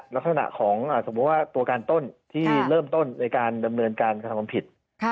ลักษณะของสมมุติว่าตัวการต้นที่เริ่มต้นในการดำเนินการกระทำความผิด